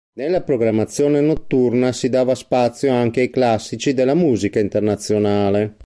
Nella programmazione notturna si dava spazio anche ai classici della musica Internazionale.